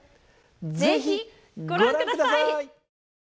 是非ご覧ください！